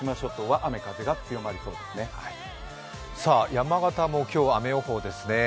山形も今日は雨予報ですね。